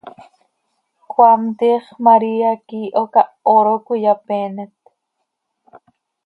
Cmaam, tiix María quih iiho cah hooro cöiyapeenet.